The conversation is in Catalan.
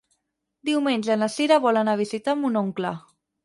Diumenge na Sira vol anar a visitar mon oncle.